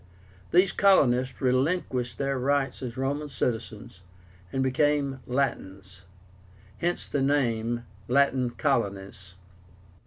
These colonists relinquished their rights as Roman citizens and became Latins; hence the name LATIN COLONIES.)